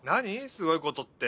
すごいことって。